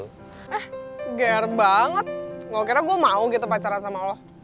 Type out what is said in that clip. eh ger banget gak kira gue mau gitu pacaran sama lo